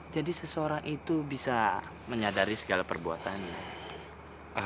jadi seseorang itu bisa menyadari segala perbuatannya